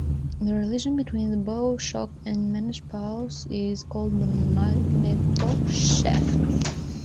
The region between the bow shock and magnetopause is called the magnetosheath.